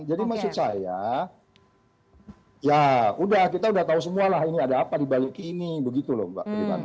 jadi maksud saya ya udah kita udah tahu semua lah ini ada apa dibalik ini begitu loh mbak